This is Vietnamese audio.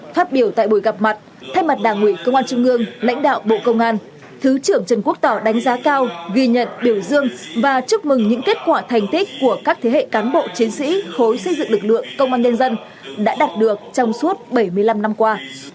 phát biểu tại buổi gặp mặt thay mặt đảng ủy công an trung ương lãnh đạo bộ công an thứ trưởng trần quốc tỏ đánh giá cao ghi nhận biểu dương và chúc mừng những kết quả thành tích của các thế hệ cán bộ chiến sĩ khối xây dựng lực lượng công an nhân dân đã đạt được trong suốt bảy mươi năm năm qua